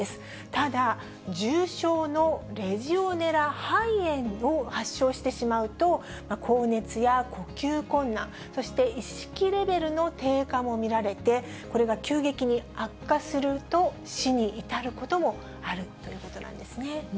ただ、重症のレジオネラ肺炎を発症してしまうと、高熱や呼吸困難、そして意識レベルの低下も見られて、これが急激に悪化すると、死に至ることもあるということなんです